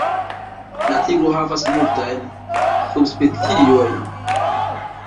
La tigro havas multajn subspeciojn.